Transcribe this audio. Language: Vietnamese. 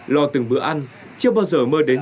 lo từng bữa ăn chưa bao giờ mơ đến